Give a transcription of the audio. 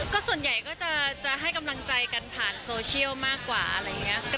ก็ส่วนใหญ่ก็จะให้กำลังใจกันผ่านโซเชียลมากกว่าอะไรอย่างนี้